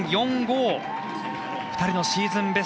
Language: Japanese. ２人のシーズン